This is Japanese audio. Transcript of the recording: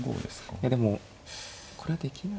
いやでもこれはできない。